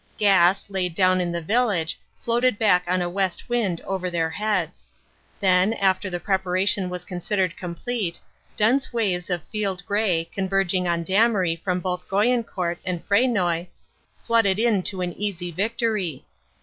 Gas, laid down in the village, floated back on a west wind over their heads. Then, after the preparation was considered complete, dense waves of field gray, converg ing on Damery from both Goyencourt and Fresnoy, flooded in to an easy victory.